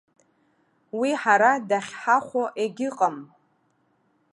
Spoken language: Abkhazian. Уи ҳара дахьҳахәо егьыҟам.